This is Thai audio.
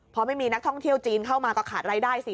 พอไม่มีนักท่องเที่ยวจีนเข้ามาก็ขาดรายได้สิ